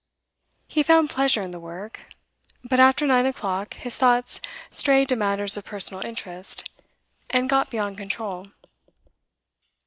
He found pleasure in the work; but after nine o'clock his thoughts strayed to matters of personal interest, and got beyond control.